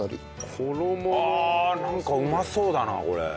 なんかうまそうだなこれ。